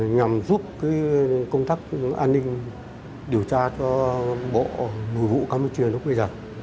nhằm giúp công tác an ninh điều tra cho bộ nội vụ campuchia lúc bây giờ